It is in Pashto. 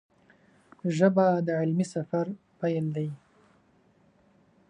ژبه د علمي سفر پیل دی